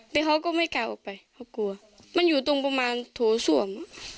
แต่เขาก็ไม่กล้าออกไปเพราะกลัวมันอยู่ตรงประมาณโถส้วม